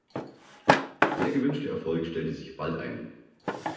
Der gewünschte Erfolg stellte sich bald ein.